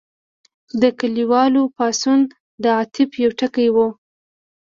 د کلیوالو پاڅون د عطف یو ټکی و.